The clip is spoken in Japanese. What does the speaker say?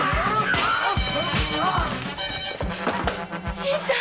新さん！